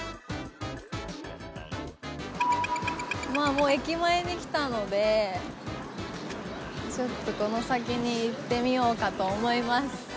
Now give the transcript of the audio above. もう駅前に来たのでちょっとこの先に行ってみようかと思います。